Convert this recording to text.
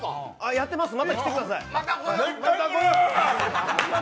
やってます、また来てください。